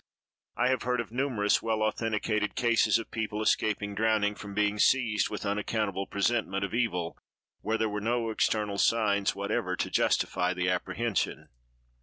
I have heard of numerous well authenticated cases of people escaping drowning from being seized with an unaccountable presentiment of evil when there were no external signs whatever to justify the apprehension.